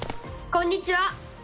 こんにちは！